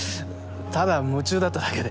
ただ夢中だっただけで。